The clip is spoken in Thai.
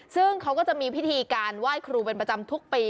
ซึ่งเขาก็จะมีพิธีการไหว้ครูเป็นประจำทุกปี